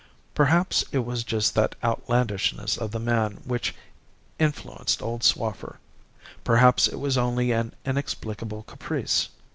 Perhaps it was just that outlandishness of the man which influenced old Swaffer. Perhaps it was only an inexplicable caprice.